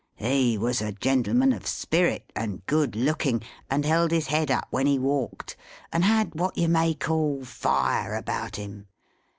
He was a gentleman of spirit, and good looking, and held his head up when he walked, and had what you may call Fire about him.